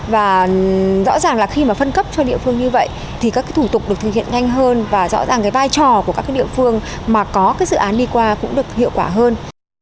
và rõ ràng là khi mà phân cấp cho địa phương như vậy thì các cái thủ tục được thực hiện nhanh hơn và rõ ràng cái vai trò của các địa phương mà có cái dự án đi qua cũng được hiệu quả hơn